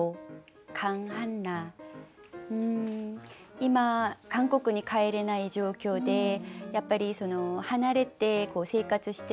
今韓国に帰れない状況でやっぱり離れて生活してる